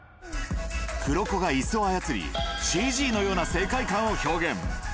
黒子がいすを操り、ＣＧのような世界観を表現。